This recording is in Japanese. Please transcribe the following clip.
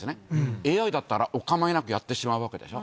ＡＩだったら、お構いなくやってしまうわけでしょ。